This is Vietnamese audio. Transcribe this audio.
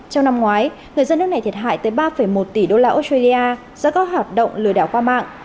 trong năm ngoái người dân nước này thiệt hại tới ba một tỷ đô la australia do các hoạt động lừa đảo qua mạng